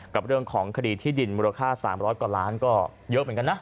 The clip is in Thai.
กับเรื่องของคดีที่ดินมูลค่า๓๐๐กว่าล้านก็เยอะเหมือนกันนะ